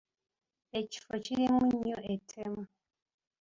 Ekifo kirimu nnyo ettemu.